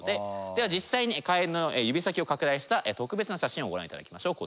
では実際にカエルの指先を拡大した特別な写真をご覧いただきましょう。